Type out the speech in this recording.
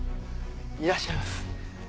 いらっしゃいます。